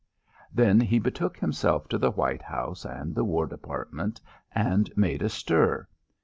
Then he betook himself to the White House and the War Department and made a stir.